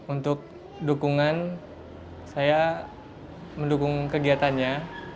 untuk dukungan saya mendukung kegiatannya